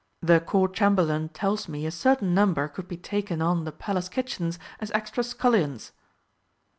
"The Court Chamberlain tells me a certain number could be taken on the Palace Kitchens as extra scullions."